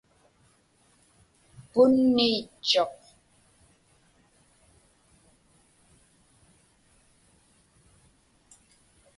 Punniitchuq.